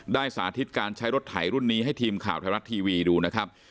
ได้สาธิตการใช้รถถ่ายรุ่นนี้ให้ทีมข่าวทำลัสทีวีดูนะครับ